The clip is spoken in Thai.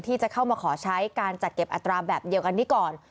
ที่จะเข้ามาขอใช้การจัดเก็บอัตราแบบเดียวกันนี้ก่อน